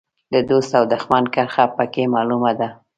د دوست او دوښمن کرښه په کې معلومه ده.